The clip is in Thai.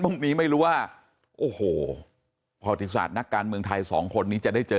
พรุ่งนี้ไม่รู้ว่าโอ้โหประวัติศาสตร์นักการเมืองไทยสองคนนี้จะได้เจอ